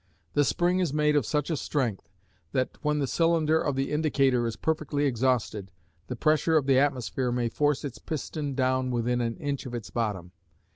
The spring is made of such a strength, that when the cylinder of the indicator is perfectly exhausted, the pressure of the atmosphere may force its piston down within an inch of its bottom.